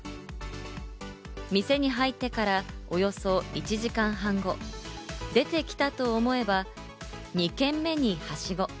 店に入ってからおよそ１時間半後、出てきたと思えば、２軒目に、はしご。